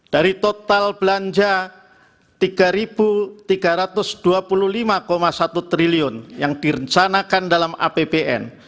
dari total belanja rp tiga tiga ratus dua puluh lima satu triliun yang direncanakan dalam apbn